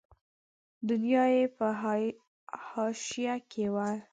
دنیا یې په حاشیه کې وي.